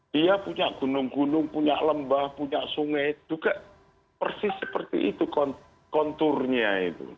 dia punya gunung gunung punya lembah punya sungai juga persis seperti itu konturnya itu